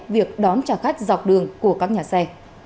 việc đón trả khách dọc đường của các nhà xe